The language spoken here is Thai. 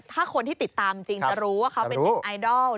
ถ้าคนที่ติดตามจริงจะรู้ว่าเขาเป็นเน็ตไอดอล